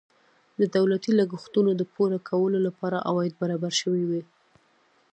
د دولتي لګښتونو د پوره کولو لپاره عواید برابر شوي وای.